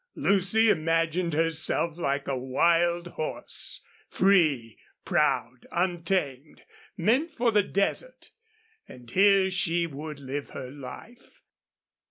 Lucy imagined herself like a wild horse free, proud, untamed, meant for the desert; and here she would live her life.